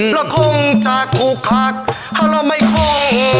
แล้วคงจะคู่คักหรือไม่คง